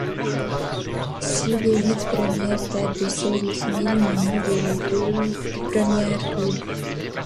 Six des huit premières têtes de série sont éliminées dès les deux premiers tours.